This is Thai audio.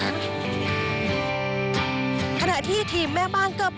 อาทิตย์พี่พี่คะอยู่กันตั้งแต่